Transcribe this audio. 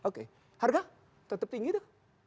oke harga tetap tinggi dah